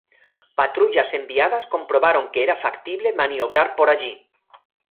Patrullas enviadas comprobaron que era factible maniobrar por allí.